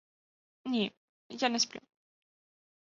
Ні, я не сплю!